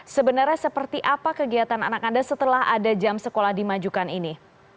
sebenarnya seperti apa kegiatan anak anda setelah ada jam sekolah dimajukan ini